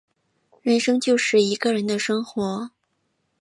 人生就是一个人的生活